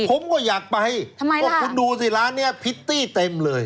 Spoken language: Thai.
ผมก็อยากไปทำไมเพราะคุณดูสิร้านนี้พิตตี้เต็มเลย